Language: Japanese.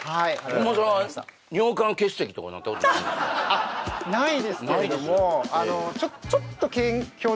あっないですけれどもないです？